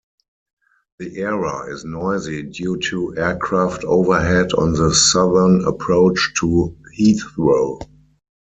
The area is noisy due to aircraft overhead on the southern approach to Heathrow.